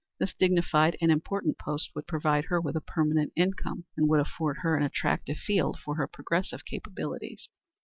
This dignified and important post would provide her with a permanent income, and would afford her an attractive field for her progressive capabilities.